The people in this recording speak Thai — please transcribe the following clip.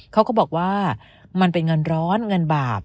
เขาก็บอกว่ามันเป็นเงินร้อนเงินบาป